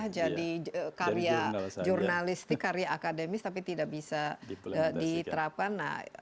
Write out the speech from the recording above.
jadi karya jurnalistik karya akademis tapi tidak bisa diterapkan